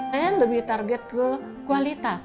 dan lebih target ke kualitas